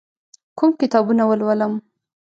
کوم کتابونه ولولم؟